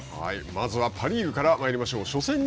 まずは、パ・リーグからまいりましょう。